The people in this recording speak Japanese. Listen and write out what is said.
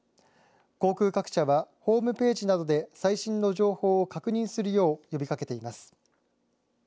航空各社はホームページなどで最新の情報を確認するよう呼びかけています。